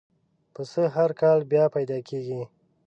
پسه هر کال بیا پیدا کېږي.